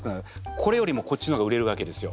これよりもこっちの方が売れるわけですよ。